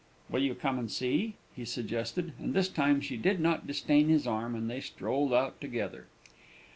"Will you come and see?" he suggested, and this time she did not disdain his arm, and they strolled out together.